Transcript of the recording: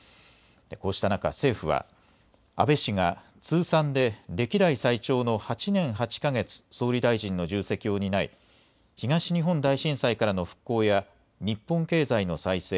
こうした中、政府は、安倍氏が、通算で歴代最長の８年８か月、総理大臣の重責を担い、東日本大震災からの復興や、日本経済の再生、